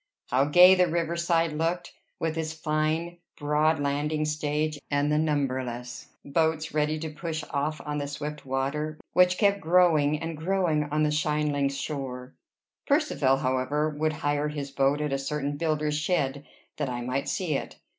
How gay the river side looked, with its fine broad landing stage, and the numberless boats ready to push off on the swift water, which kept growing and growing on the shingly shore! Percivale, however, would hire his boat at a certain builder's shed, that I might see it.